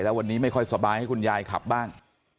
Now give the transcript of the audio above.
แล้ววันนี้ไม่ค่อยสบายให้คุณยายขับบ้าง